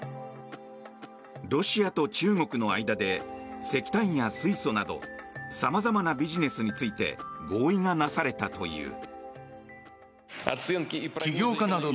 ロシアと中国の間で石炭や水素などさまざまなビジネスについて合意がなされたという。